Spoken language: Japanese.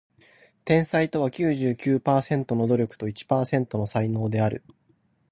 天才とは九十九パーセントの努力と一パーセントの才能である